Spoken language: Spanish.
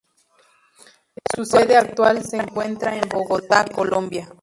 Su sede actual se encuentra en Bogotá, Colombia.